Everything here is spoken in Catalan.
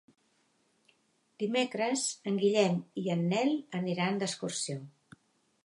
Dimecres en Guillem i en Nel aniran d'excursió.